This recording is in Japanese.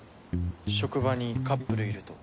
職場にカップルいると。